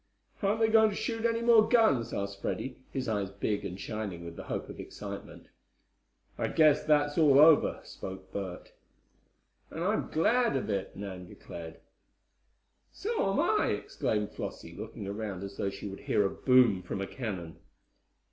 "Aren't they going to shoot any more guns?" asked Freddie, his eyes big and shining with the hope of excitement. "I guess that's all over," spoke Bert. "And I'm glad of it," Nan declared. "So am I," exclaimed Flossie, looking around as though she would hear a boom from a cannon.